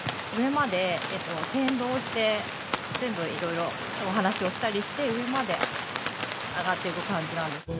全部いろいろお話をしたりして上まで上がってく感じなんです。